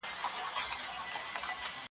په دوی کي ډېره برخه د عربي ژبي د کتابو ده. د